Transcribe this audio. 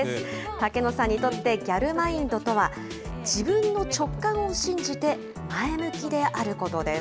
竹野さんにとって、ギャルマインドとは、自分の直感を信じて前向きであることです。